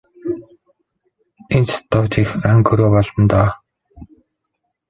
Энэ ч ёстой жинхэнэ ан гөрөө болно доо.